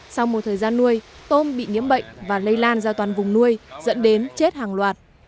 sau một thời gian nuôi tôm bị nhiễm bệnh và lây lan ra toàn vùng nuôi dẫn đến chết hàng loạt